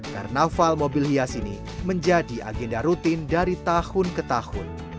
karnaval mobil hias ini menjadi agenda rutin dari tahun ke tahun